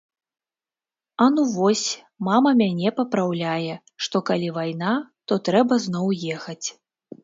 А ну вось, мама мяне папраўляе, што калі вайна, то трэба зноў ехаць.